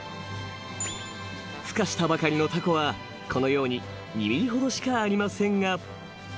［ふ化したばかりのタコはこのように２ｍｍほどしかありませんが］